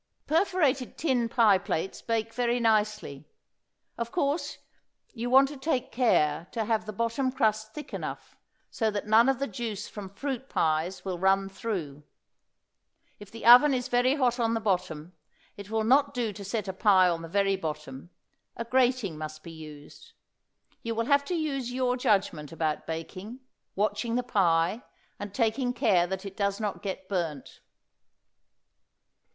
Perforated tin pie plates bake very nicely. Of course you want to take care to have the bottom crust thick enough, so that none of the juice from fruit pies will run through. If the oven is very hot on the bottom, it will not do to set a pie on the very bottom; a grating must be used. You will have to use your judgment about baking, watching the pie, and taking care that it does not get burnt.